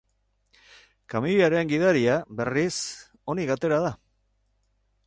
Kamioiaren gidaria, berriz, onik atera da.